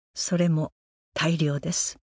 それも大量です